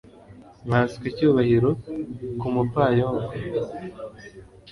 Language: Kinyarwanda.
nkanswe icyubahiro ku mupfayongo